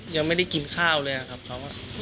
ยังไม่ได้กินข้าวเลยครับเขา